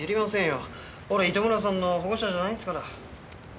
俺糸村さんの保護者じゃないんですから。